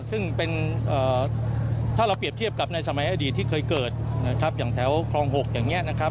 ซึ่งเป็นถ้าเราเปรียบเทียบกับในสมัยอดีตที่เคยเกิดนะครับอย่างแถวคลอง๖อย่างนี้นะครับ